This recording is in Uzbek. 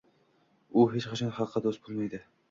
U hech qachon xalqqa do‘st bo‘lmaydi!